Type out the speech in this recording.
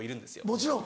もちろん。